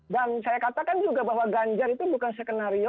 dan saya katakan juga bahwa ganjar itu bukan skenario